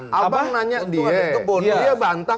kalau nanya dia dia bantah